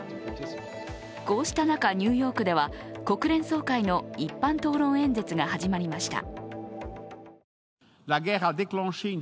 こうした中、ニューヨークでは国連総会の一般討論演説が始まりました。